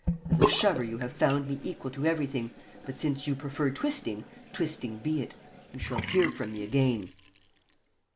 As a shover you have found me equal to everything, but since you prefer twisting, twisting be it. You shall hear from me again!"